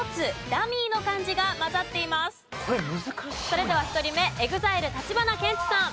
それでは１人目ＥＸＩＬＥ橘ケンチさん。